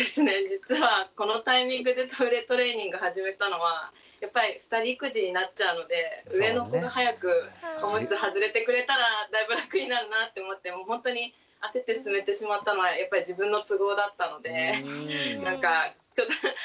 実はこのタイミングでトイレトレーニング始めたのはやっぱり２人育児になっちゃうので上の子が早くオムツ外れてくれたらだいぶ楽になるなって思ってほんとに焦って進めてしまったのはやっぱり自分の都合だったのでなんかちょっと。